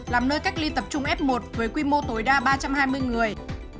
làm nơi cách ly tập trung f một với quy mô tối đa ba trăm hai mươi người